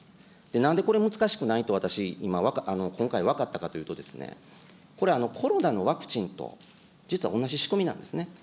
なんでこれ難しくないと私今、今回、分かったかというとですね、これ、コロナのワクチンと実は同じ仕組みなんですね。